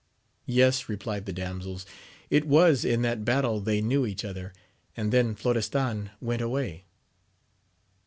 — ^Yes, replied the damsels, it was in that battle they knew each other, and then Florestan went away.